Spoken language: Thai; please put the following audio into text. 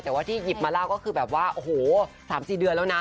แต่ว่าที่หยิบมาแล้วก็คือ๓๔เดือนแล้วนะ